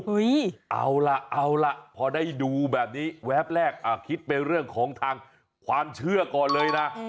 เอาล่ะเอาล่ะพอได้ดูแบบนี้แวบแรกคิดไปเรื่องของทางความเชื่อก่อนเลยนะ